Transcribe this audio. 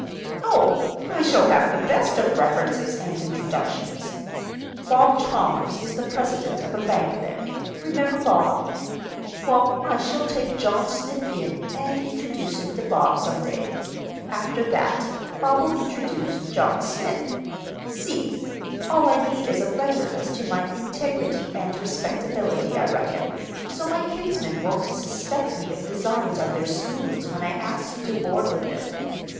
"Oh, I shall have the best of references and introductions. Bob Chalmers is the president of a bank there. Remember Bob? Well, I shall take John Smith in and introduce him to Bob some day. After that, Bob'll introduce John Smith? See? All I need is a letter as to my integrity and respectability, I reckon, so my kinsmen won't suspect me of designs on their spoons when I ask to board with them.